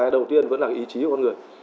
đầu tiên vẫn là ý chí của con người